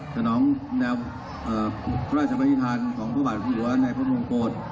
ขณะน้องแนวพระราชบัญญีทางของพระบาทจังหวัดในพระมงโกส